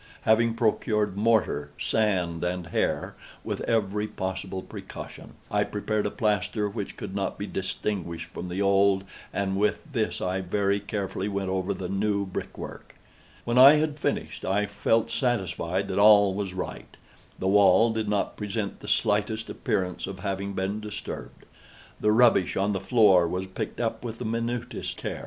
Having procured mortar, sand, and hair, with every possible precaution, I prepared a plaster which could not be distinguished from the old, and with this I very carefully went over the new brickwork. When I had finished, I felt satisfied that all was right. The wall did not present the slightest appearance of having been disturbed. The rubbish on the floor was picked up with the minutest care.